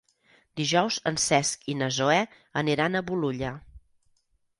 Dijous en Cesc i na Zoè aniran a Bolulla.